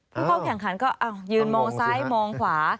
ผู้เข้าแข่งขันก็ยืนมองซ้ายมองขวา